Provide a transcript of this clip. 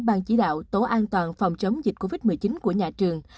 ban chỉ đạo tổ an toàn phòng chống dịch covid một mươi chín của nhà trường